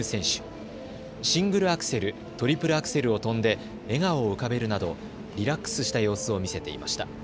シングルアクセル、トリプルアクセルを跳んで笑顔を浮かべるなどリラックスした様子を見せていました。